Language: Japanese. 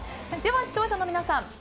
では視聴者の皆さん